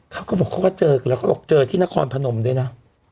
เขาก็บอกเจอกันที่นครพนมด้วยนะ